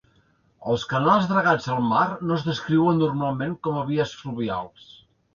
Els canals dragats al mar no es descriuen normalment com a vies fluvials.